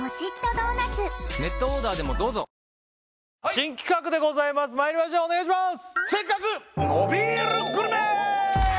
新企画でございますまいりましょうお願いします！